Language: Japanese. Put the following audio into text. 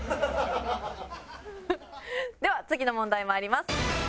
では次の問題まいります。